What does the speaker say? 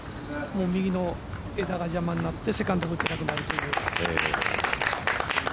もう右の枝が邪魔になってセカンドが打てなくなるという。